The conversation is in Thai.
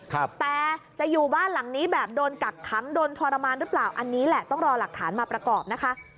แต่จะอยู่บ้านหลังนี้แบบโดนกักขังโดนทรมานหรือเปล่าอันนี้แหละต้องรอหลักฐานมาประกอบนะคะ